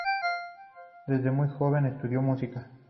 Desde muy joven estudió música.